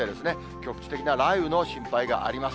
局地的な雷雨の心配があります。